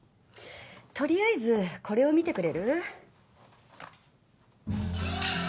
とりあえずこれを見てくれる？